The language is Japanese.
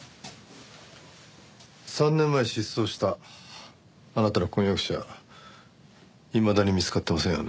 ３年前失踪したあなたの婚約者いまだに見つかってませんよね。